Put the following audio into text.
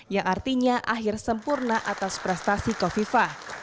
yang artinya akhir sempurna atas prestasi kofifa